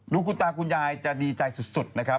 คุณตาคุณยายจะดีใจสุดนะครับ